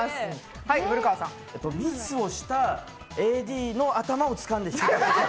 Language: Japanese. ミスをしたＡＤの頭をつかんで。